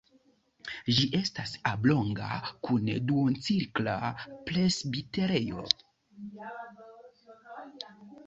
Ĝi estas oblonga kun duoncirkla presbiterejo.